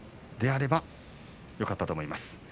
であればよかったと思います。